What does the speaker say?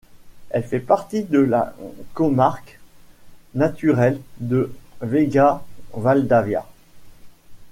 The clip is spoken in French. Elle fait partie de la comarque naturelle de Vega-Valdavia.